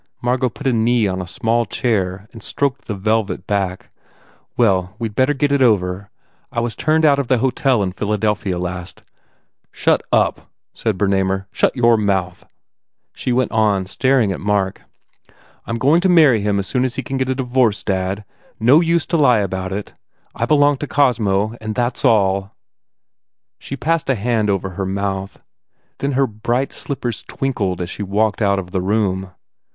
Margot put a knee on a small chair and stroked the velvet back. "Well, we d better get it over. I was turned out of the hotel in Philadelphia last " "Shut up," said Bernamer, "Shut your mouth!" She went on, staring at Mark, "I m going to marry him as soon as he can get a divorce, dad ... No use trying to lie about it. I belong to Cosmo and and that s all." She passed a hand over her mouth. Then her bright slippers twinkled as she walked out of the room.